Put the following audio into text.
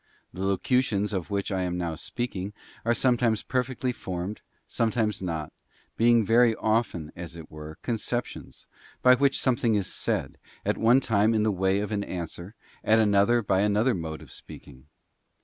The locutions of which I am now speaking are sometimes per fectly formed, sometimes not, being very often, as it were, conceptions, by which something is said, at one time in the way of an answer, at another by another mode of speaking.